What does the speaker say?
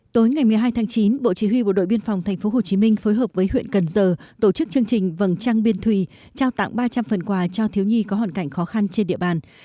tối ngày một mươi hai tháng chín bộ chỉ huy bộ đội biên phòng tp hcm phối hợp với huyện cần giờ tổ chức chương trình vầng trăng biên thùy trao tặng ba trăm linh phần quà cho thiếu nhi có hoàn cảnh khó khăn trên địa bàn